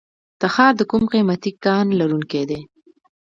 تخار د کوم قیمتي کان لرونکی دی؟